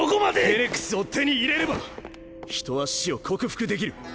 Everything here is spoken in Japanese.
フェネクスを手に入れれば人は死を克服できる。